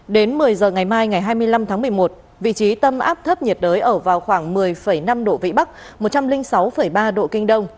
đến một mươi giờ ngày mai ngày hai mươi năm tháng một mươi một vị trí tâm áp thấp nhiệt đới ở vào khoảng một mươi năm độ vĩ bắc một trăm linh sáu ba độ kinh đông